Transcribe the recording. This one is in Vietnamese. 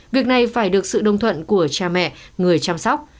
việc này phải được sự đồng thuận của cha mẹ người chăm sóc